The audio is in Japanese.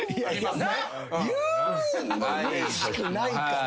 言ううれしくないから。